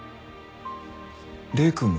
礼くんも？